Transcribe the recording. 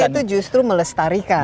targetnya itu justru melestarikan